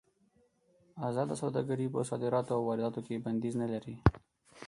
ازاده سوداګري په صادراتو او وارداتو کې بندیز نه لري.